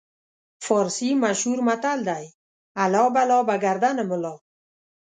فارسي مشهور متل دی: الله بلا به ګردن ملا.